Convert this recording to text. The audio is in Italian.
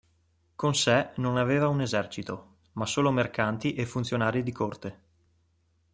Con sé non aveva un esercito, ma solo mercanti e funzionari di corte.